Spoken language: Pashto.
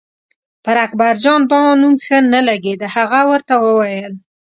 پر اکبرجان دا نوم ښه نه لګېده، هغه ورته وویل.